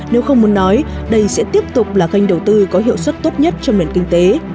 nếu không muốn nói đây sẽ tiếp tục là kênh đầu tư có hiệu suất tốt nhất cho nền kinh tế